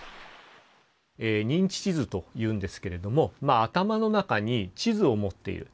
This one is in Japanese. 認知地図というんですけれどもまあ頭の中に地図を持っている。